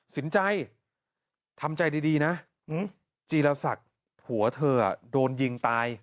สินใจทำใจดีนะจีรศักดิ์ผัวเธอโดนยิงตาย